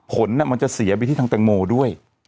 ผลมันจะเสียไปที่ทางแตงโมด้วย